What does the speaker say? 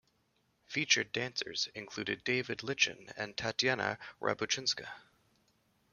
Featured dancers included David Lichine and Tatiana Riabouchinska.